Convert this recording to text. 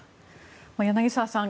柳澤さん